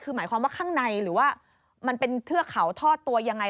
คือหมายความว่าข้างในหรือว่ามันเป็นเทือกเขาทอดตัวยังไง